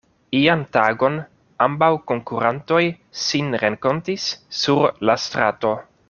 Ian tagon ambaŭ konkurantoj sin renkontis sur la strato.